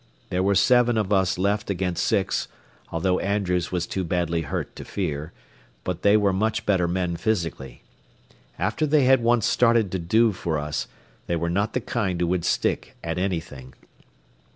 There were seven of us left against six, although Andrews was too badly hurt to fear, but they were much better men physically. After they had once started to do for us, they were not the kind who would stick at anything.